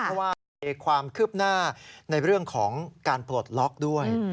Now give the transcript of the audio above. เพราะว่ามีความคืบหน้าในเรื่องของการปลดล็อกด้วย